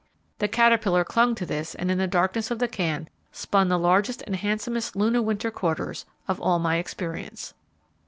The caterpillar clung to this and in the darkness of the can spun the largest and handsomest Luna winter quarters of all my experience.